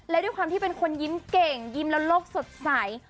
และด้วยความที่เป็นคนยิ้มเก่งยิ้มแล้วโลกสดใส